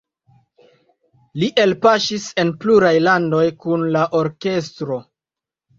Li elpaŝis en pluraj landoj kun la orkestro.